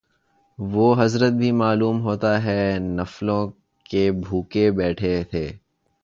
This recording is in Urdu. وہ حضرت بھی معلوم ہوتا ہے نفلوں کے بھوکے بیٹھے تھے